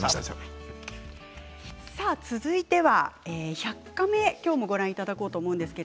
続いては「１００カメ」今日もご覧いただこうと思います。